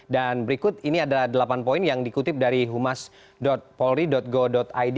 dan berikut ini adalah delapan poin yang dikutip dari humas polri go id